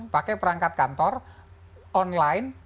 pakai perangkat kantor online